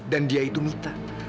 dan dia itu mita